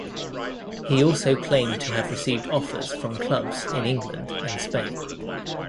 He also claimed to have received offers from clubs in England and Spain.